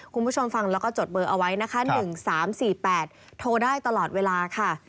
คุณผู้ชมฟังแล้วก็จดเบอร์เอาไว้นะคะ๑๓๔๘โทรได้ตลอดเวลาค่ะ